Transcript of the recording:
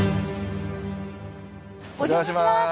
お邪魔します！